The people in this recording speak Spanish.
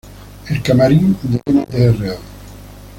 El camarín de Ntro.